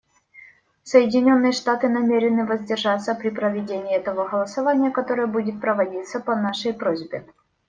Соединенные Штаты намерены воздержаться при проведении этого голосования, которое будет проводиться по нашей просьбе.